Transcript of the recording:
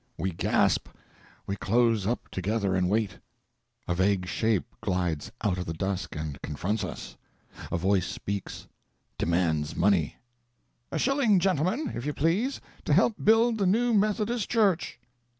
We gasp, we close up together, and wait. A vague shape glides out of the dusk and confronts us. A voice speaks demands money! "A shilling, gentlemen, if you please, to help build the new Methodist church."